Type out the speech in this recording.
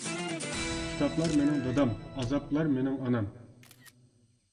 كىتابلار مېنىڭ دادام ئازابلار مېنىڭ ئانام!